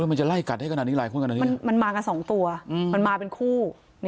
มันมามากัน๒ตัวมันมาเป็นคู่